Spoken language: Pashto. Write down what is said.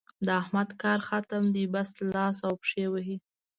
د احمد کار ختم دی؛ بس لاس او پښې وهي.